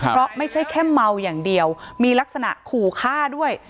เพราะไม่ใช่แค่เมาอย่างเดียวมีลักษณะขู่ฆ่าด้วย